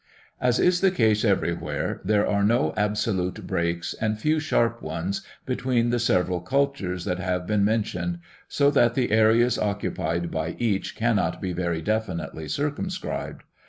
As is the case everywhere, there are no absolute breaks and few sharp ones between the several cultures that have been mentioned, so that the areas occupied by each cannot be very definitely circumscribed.